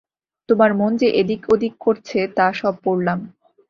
তোমার মন যে এদিক ওদিক করছে, তা সব পড়লাম।